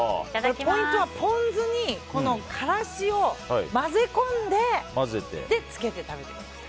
ポイントはポン酢にカラシを混ぜ込んでつけて食べてください。